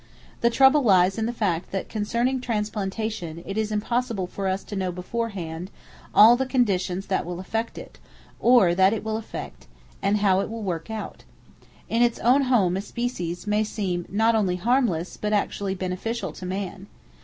The trouble lies in the fact that concerning transplantation it is impossible for us to know beforehand all the conditions that will affect it, or that it will effect, and how it will work out. In its own home a species may seem not only harmless, but actually beneficial to man.